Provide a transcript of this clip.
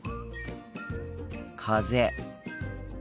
風。